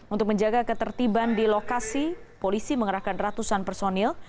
untuk menjaga ketertiban di lokasi polisi mengerahkan ratusan personil